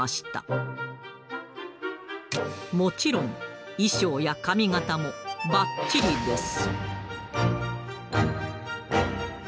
もちろん衣装や髪形もバッチリです。